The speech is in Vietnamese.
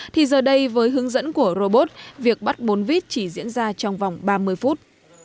thì giờ đây với hướng dẫn của robot việc bắt bốn vít chỉ diễn ra trong vòng ba mươi phút